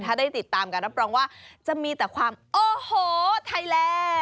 ถ้าได้ติดตามการรับรองว่าจะมีแต่ความโอ้โหไทยแลนด์